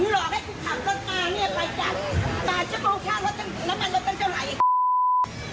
เราจะกำลังลำไปกร้าย